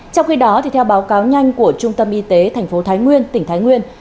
trong khi đó theo báo cáo nhanh của trung tâm y tế tp thái nguyên tỉnh thái nguyên